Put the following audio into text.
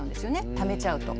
ためちゃうと。